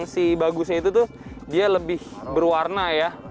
si bagusnya itu tuh dia lebih berwarna ya